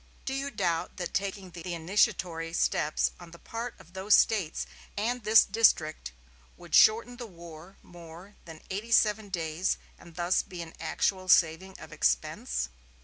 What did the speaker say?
Do you doubt that taking the initiatory steps on the part of those States and this District would shorten the war more than eighty seven days, and thus be an actual saving of expense?"